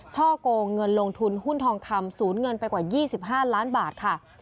ช่อกงเงินลงทุนหุ้นทองคำศูนย์เงินไปกว่า๒๕ล้านบาทค่ะ